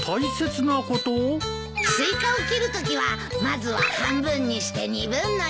スイカを切るときはまずは半分にして２分の１。